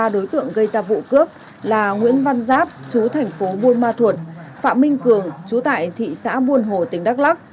ba đối tượng gây ra vụ cướp là nguyễn văn giáp chú thành phố buôn ma thuột phạm minh cường chú tại thị xã buôn hồ tỉnh đắk lắc